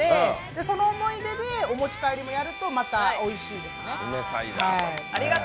その思い出で、お持ち帰りもやるとまたおいしいですね。